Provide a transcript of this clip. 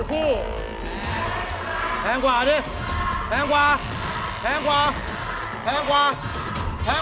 เท่าไหร่